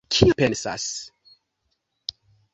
Kion mi pensas?